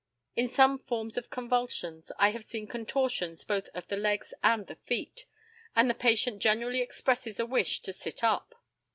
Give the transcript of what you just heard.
In some forms of convulsions I have seen contortions both of the legs and the feet, and the patient generally expresses a wish to sit up.